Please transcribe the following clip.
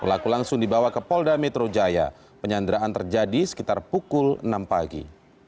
pelaku langsung dibawa ke polda metro jaya penyanderaan terjadi sekitar pukul enam pagi